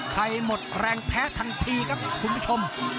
ไทยหมดแรงแพ้ทันทีครับคุณผู้ชม